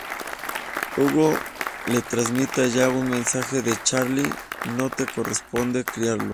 Hugo le trasmite a Jack un mensaje de Charlie: "No te corresponde criarlo".